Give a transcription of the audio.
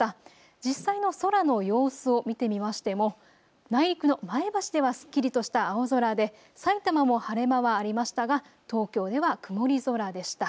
実際の空の様子を見てみましても内陸の前橋ではすっきりとした青空でさいたまも晴れ間はありましたが東京では曇り空でした。